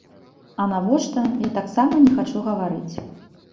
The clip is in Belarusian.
А навошта, я таксама не хачу гаварыць.